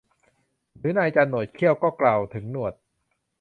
หรือนายจันหนวดเขี้ยว ก็กล่าวถึงหนวด